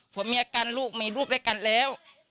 ผัวเมียกันลูกมีลูกด้วยกันแล้ว